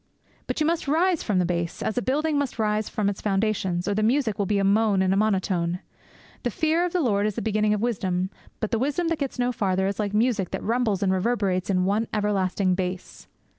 But you must rise from the bass, as a building must rise from its foundations, or the music will be a moan and a monotone. The fear of the Lord is the beginning of wisdom; but the wisdom that gets no farther is like music that rumbles and reverberates in one everlasting bass.